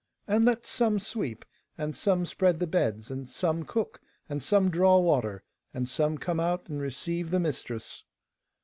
And let some sweep, and some spread the beds, and some cook, and some draw water, and some come out and receive the mistress.